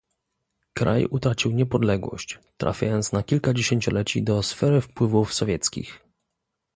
Kraj utracił niepodległość, trafiając na kilka dziesięcioleci do sfery wpływów sowieckich